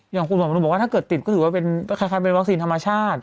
คุณหมอมนุนบอกว่าถ้าเกิดติดก็ถือว่าเป็นคล้ายเป็นวัคซีนธรรมชาติ